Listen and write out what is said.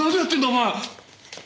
お前！